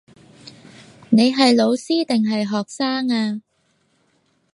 你係老師定係學生呀